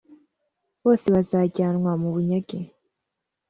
bose bazajyanwa mu bunyage